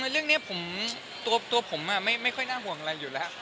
เรื่องนี้ตัวผมไม่ค่อยน่าห่วงอะไรอยู่แล้ว